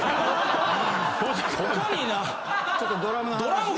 ちょっとドラムの話。